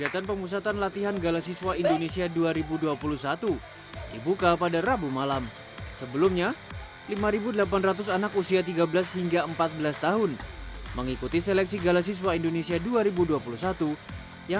terima kasih baiknya